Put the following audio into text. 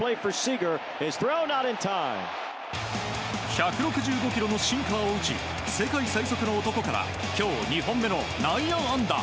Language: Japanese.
１６５キロのシンカーを打ち世界最速の男から今日２本目の内野安打。